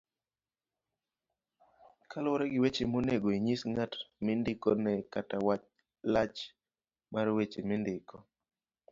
kaluwore gi weche monego inyis ng'at mindikone kata lach mar weche mindiko